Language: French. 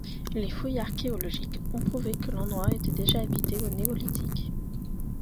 Les fouilles archéologiques ont prouvé que l'endroit était déjà habité au Néolithique.